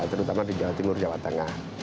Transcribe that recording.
terutama di jawa timur jawa tengah